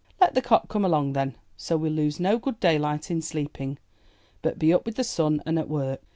"Let the cock come along then, so we'll lose no good daylight in sleeping, but be up with the sun and at work."